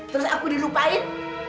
terus aku dilupain